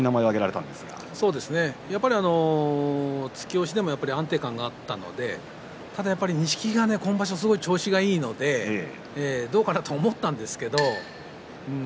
やっぱり突き押しでも安定感があったのでただやっぱり錦木が今場所、調子がいいのでどうかなと思ったんですけれど。